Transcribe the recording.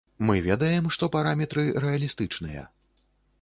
Мы ведаем, што параметры рэалістычныя.